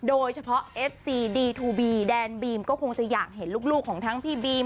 โดยเฉพาะเอฟซีดีทูบีแดนบีมก็คงจะอยากเห็นลูกของทั้งพี่บีม